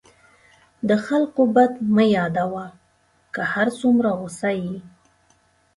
د خلکو بد مه یادوه، که هر څومره غصه یې.